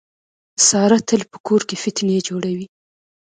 ساره تل په کور کې فتنې جوړوي.